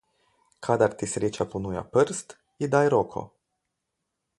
Kadar ti sreča ponuja prst, ji daj roko.